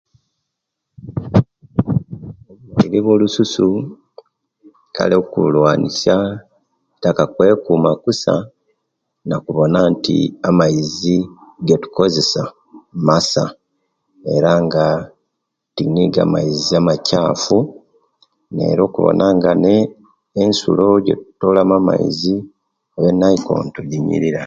Obulwaire wo lususu kale okulwanisya kitaka kwekuma kusa nakubona nti amaizi agetukozesa masa era nga tinigo amaizi amachafu era okubonanga ne ensulo ejitoolamu amaizi oba naikonto jinyirira.